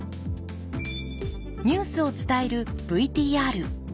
ニュースを伝えるＶＴＲ。